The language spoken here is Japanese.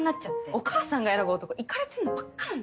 お母さんが選ぶ男イカれてるのばっかなんだもん。